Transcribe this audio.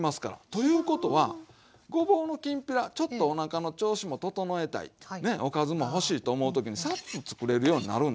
ということはごぼうのきんぴらちょっとおなかの調子も整えたいねおかずも欲しいと思う時にさっとつくれるようになるんですわ。